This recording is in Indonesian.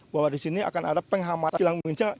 bahwa di sini akan ada penghematan silangunia